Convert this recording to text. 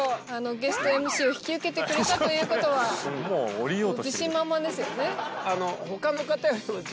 ゲストＭＣを引き受けてくれたということは自信満々ですよね。